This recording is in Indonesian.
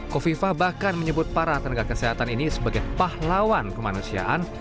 kofifa bahkan menyebut para tenaga kesehatan ini sebagai pahlawan kemanusiaan